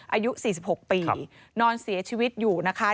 อายุ๔๖ปีนอนเสียชีวิตอยู่นะคะ